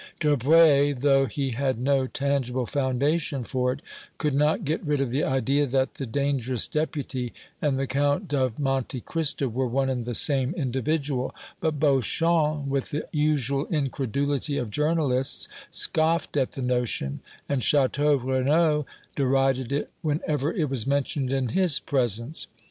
Debray, though he had no tangible foundation for it, could not get rid of the idea that the dangerous Deputy and the Count of Monte Cristo were one and the same individual, but Beauchamp, with the usual incredulity of journalists, scoffed at the notion, and Château Renaud derided it whenever it was mentioned in his presence.